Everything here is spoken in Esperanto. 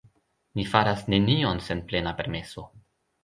Ni faras nenion sen plena permeso.